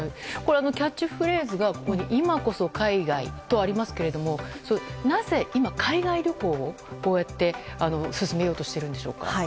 キャッチフレーズが「今こそ海外！」とありますがなぜ今、海外旅行をこうやって進めようとしているのでしょうか。